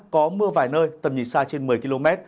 có mưa vài nơi tầm nhìn xa trên một mươi km